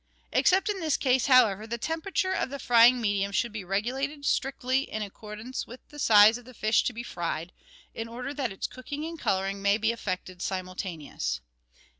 Except in this case, however, the temperature of the frying medium should be regulated strictly in accordance with the size of the fish to be fried, in order that its cooking and colour ing may be effected simultaneously.